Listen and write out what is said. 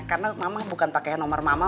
karena mama bukan pake nomor mama